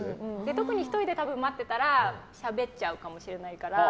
特に１人で待ってたらしゃべっちゃうかもしれないから。